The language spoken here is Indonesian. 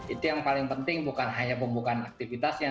itu yang paling penting bukan hanya pembukaan aktivitasnya